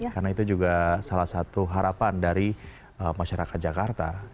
karena itu juga salah satu harapan dari masyarakat jakarta